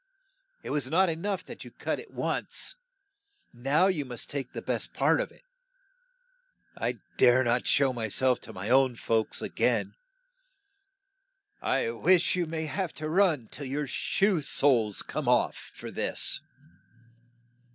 It was not e nough that you cut it once, now you must take the best part of it. I dare not show my self to my own folks a gain. I wish you may have to run till your shoe soles come off for this."